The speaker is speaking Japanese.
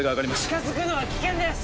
・近づくのは危険です！